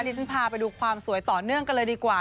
ที่ฉันพาไปดูความสวยต่อเนื่องกันเลยดีกว่า